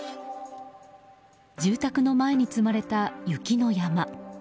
住宅の前に積まれた雪の山。